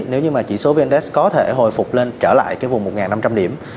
nếu như mà chỉ số vndat có thể hồi phục lên trở lại cái vùng một năm trăm linh điểm